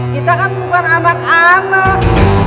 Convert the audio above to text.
kita kan bukan anak anak